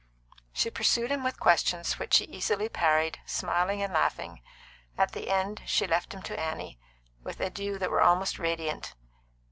She pursued him with questions which he easily parried, smiling and laughing. At the end she left him to Annie, with adieux that were almost radiant.